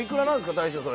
大将それ。